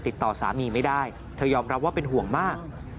ติดต่อสามีไม่ได้เธอยอมรับว่าเป็นห่วงมาก